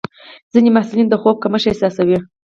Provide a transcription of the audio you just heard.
ځینې محصلین د خوب کمښت احساسوي.